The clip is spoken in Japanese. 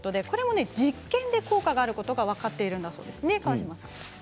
これも実験で効果があることが分かっているんですね。